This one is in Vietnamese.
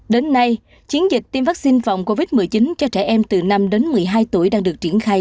đến nay chiến dịch tiêm vaccine phòng covid một mươi chín cho trẻ em từ năm đến một mươi hai tuổi đang được triển khai